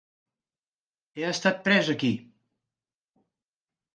He estat pres aquí.